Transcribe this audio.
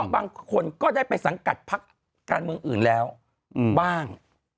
บางคนก็ได้ไปสังกัดพักการเมืองอื่นแล้วบ้าง